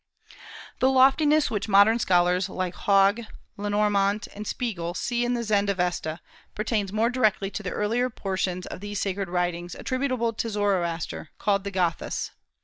] The loftiness which modern scholars like Haug, Lenormant, and Spiegel see in the Zend Avesta pertains more directly to the earlier portions of these sacred writings, attributable to Zoroaster, called the Gâthâs.